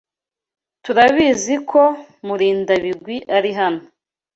Turabizi ko Murindabigwi ari hano.